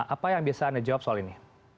apa yang bisa anda jawab soal ini